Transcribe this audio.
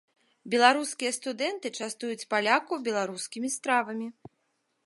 Беларускія студэнты частуюць палякаў беларускімі стравамі.